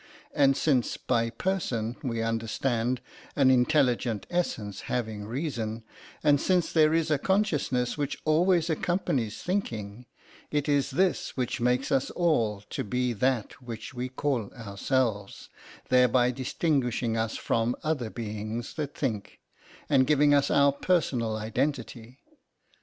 And since by person we understand an intelligent essence having reason, and since there is a consciousness which always accompanies thinking, it is this which makes us all to be that which we call ourselves—thereby distinguishing us from other beings that think, and giving us our personal identity.